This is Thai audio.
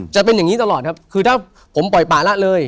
จะเป็นอย่างนี้ตลอดครับคือถ้าผมปล่อยป่าละเลย